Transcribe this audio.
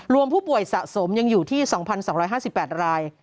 รวมผู้ป่วยสะสมยังอยู่ที่๒๒๕๘ราย